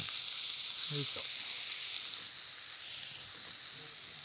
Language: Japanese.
よいしょ。